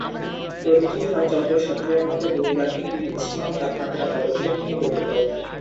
প্রতিটি চক্র সাধারণত দুই বা তিনটি বিচ্ছিন্ন তাপমাত্রা পদক্ষেপ নিয়ে গঠিত।